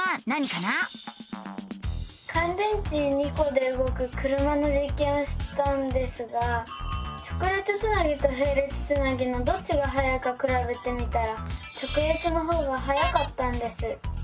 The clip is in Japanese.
かん電池２コでうごく車のじっけんをしたんですが直列つなぎとへい列つなぎのどっちがはやいかくらべてみたら直列のほうがはやかったんです。